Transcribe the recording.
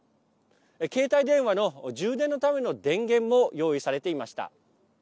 携帯電話の充電のための電源も用意されていました。